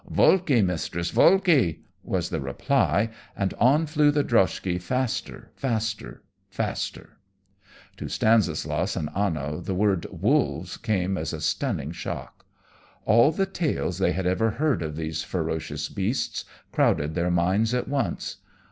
"Volki, mistress, volki!" was the reply, and on flew the droshky faster, faster, faster! To Stanislaus and Anno the word "wolves" came as a stunning shock. All the tales they had ever heard of these ferocious beasts crowded their minds at once.